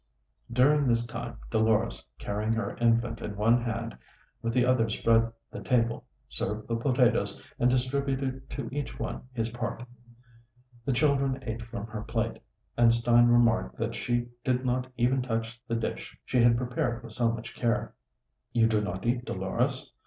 During this time Dolores, carrying her infant in one hand, with the other spread the table, served the potatoes, and distributed to each one his part. The children ate from her plate, and Stein remarked that she did not even touch the dish she had prepared with so much care. "You do not eat, Dolores?"